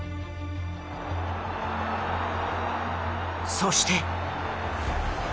そして。